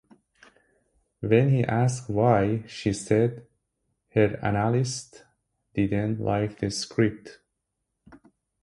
When he asked why, she said her analyst did not like the script.